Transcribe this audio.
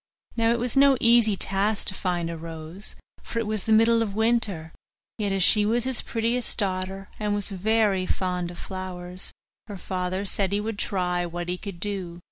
Now it was no easy task to find a rose, for it was the middle of winter; yet as she was his prettiest daughter, and was very fond of flowers, her father said he would try what he could do.